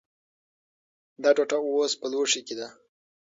دا ټوټه اوس په لوښي کې ده.